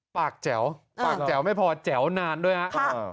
ปากแจ๋วปากแจ๋วไม่พอแจ๋วนานด้วยครับ